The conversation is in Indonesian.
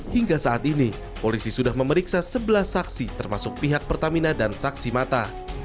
hingga saat ini polisi sudah memeriksa sebelas saksi termasuk pihak pertamina dan saksi mata